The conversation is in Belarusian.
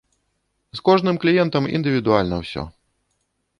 З кожным кліентам індывідуальна ўсё.